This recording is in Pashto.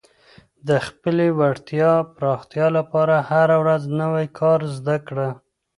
د خپلې وړتیا پراختیا لپاره هره ورځ نوی کار زده کړه.